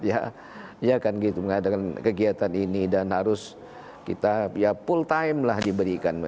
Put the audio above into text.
ya kan gitu mengadakan kegiatan ini dan harus kita ya full time lah diberikan